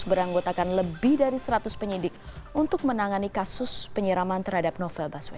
beranggotakan lebih dari seratus penyidik untuk menangani kasus penyiraman terhadap novel baswedan